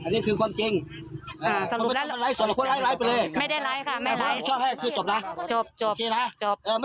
เล่าหรือว่าเค้าจะรับผิดชอบบันทึกอย่างเดี๋ยวเราระบีบ